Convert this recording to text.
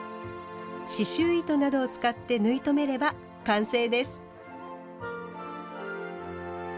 刺しゅう糸などを使って縫い留めれば完成です。